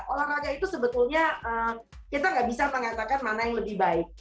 olahraga itu sebetulnya kita nggak bisa mengatakan mana yang lebih baik